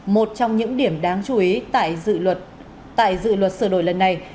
một trong những điểm đáng chú ý tại dự luật sửa đổi lần này